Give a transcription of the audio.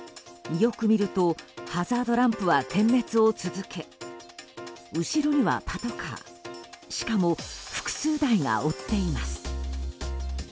よく見るとハザードランプは点滅を続け後ろにはパトカーしかも、複数台が追っています。